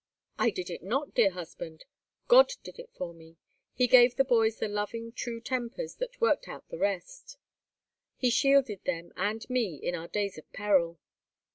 "I did it not, dear husband; God did it for me. He gave the boys the loving, true tempers that worked out the rest! He shielded them and me in our days of peril."